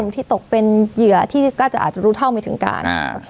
ที่ตกเป็นเหยื่อที่ก็จะอาจจะรู้เท่าไม่ถึงการ